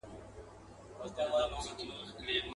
چي د رقیب په وینو سره توره راغلی یمه.